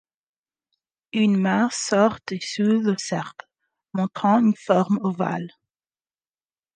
Une main sort de sous le cercle, montrant une forme ovale.